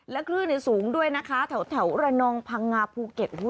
คลื่นสูงด้วยนะคะแถวระนองพังงาภูเก็ต